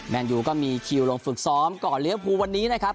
แนนยูก็มีคิวลงฝึกซ้อมก่อนเลี้ยงภูวันนี้นะครับ